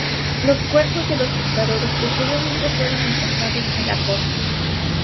Los cuerpos de los pescadores posteriormente fueron encontrados en la costa.